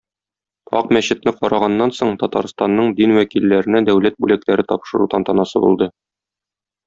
Ак мәчетне караганнан соң Татарстанның дин вәкилләренә дәүләт бүләкләре тапшыру тантанасы булды.